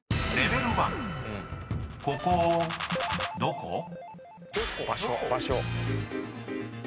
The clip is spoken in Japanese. ここどこ？］